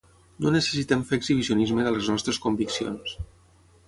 No necessitem fer exhibicionisme de les nostres conviccions.